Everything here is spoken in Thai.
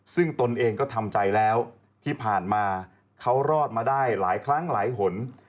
ซึ่งตนเองก็ทำใจแล้วที่ผ่านมาเขารอดมาได้หลายครั้งหลายหน